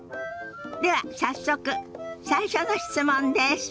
では早速最初の質問です。